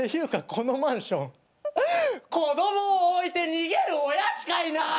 このマンション子供置いて逃げる親しかいない。